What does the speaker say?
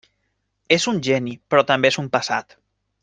És un geni, però també és un pesat.